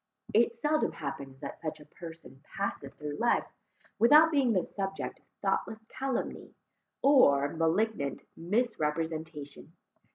It seldom happens that such a person passes through life, without being the subject of thoughtless calumny, or malignant misrepresentation.